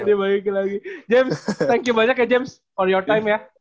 jadi balik lagi james thank you banyak ya james for your time ya